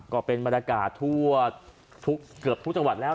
ก็เป็นบรรดากาศเกือบทุกจังหวัดแล้ว